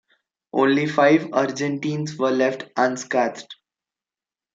Only five Argentines were left unscathed.